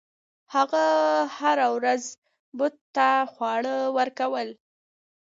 هغه هره ورځ بت ته خواړه ورکول.